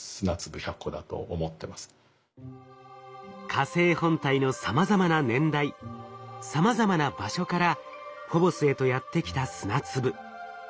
火星本体のさまざまな年代さまざまな場所からフォボスへとやってきた砂粒。